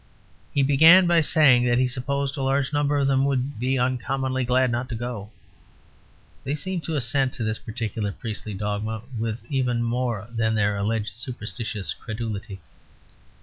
He began by saying that he supposed a large number of them would be uncommonly glad not to go. They seemed to assent to this particular priestly dogma with even more than their alleged superstitious credulity.